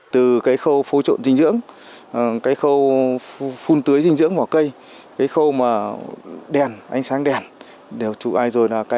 từ cái khâu phô trộn dinh dưỡng cái khâu phun tưới dinh dưỡng vào cây cái khâu mà đèn ánh sáng đèn